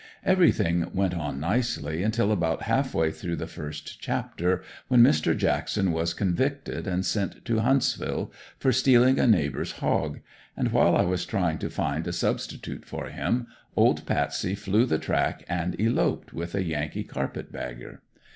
Everything went on nicely, until about half way through the first chapter, when Mr. Jackson was convicted and sent to Huntsville for stealing a neighbors hog; and while I was trying to find a substitute for him, old Patsy flew the track and eloped with a Yankee carpet bagger.